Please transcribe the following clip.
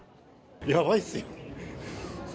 やばいっすよ。